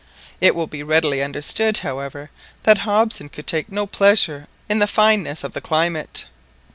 It will be readily understood, however, that Hobson could take no pleasure in the fineness of the climate.